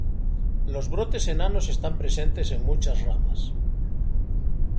Los brotes enanos están presentes en muchas ramas.